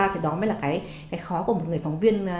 thì đó mới là cái khó của một người phóng viên